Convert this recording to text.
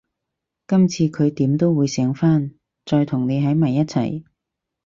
今次佢點都會醒返，再同你喺埋一齊